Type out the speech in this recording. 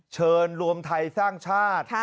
เชิญรวมไทยสร้างชาติ